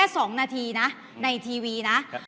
เอ้ยไม่ใช่คุณหมอฮะ